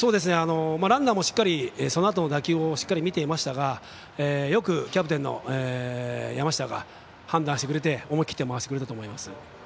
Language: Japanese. ランナーもしっかりそのあとの打球を見ていましたがよくキャプテンの山下が判断してくれて思い切って回してくれたと思います。